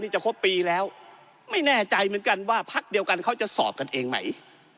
จะครบปีแล้วไม่แน่ใจเหมือนกันว่าพักเดียวกันเขาจะสอบกันเองไหม